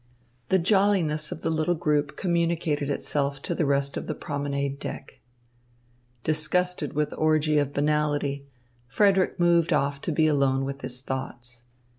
The jolliness of the little group communicated itself to the rest of the promenade deck. Disgusted with the orgy of banality, Frederick moved off to be alone with his thoughts.